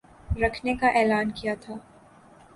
رکھنے کا اعلان کیا تھا